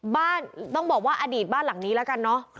บ้านต้องบอกว่าอดีตบ้านหลังนี้แล้วกันเนอะ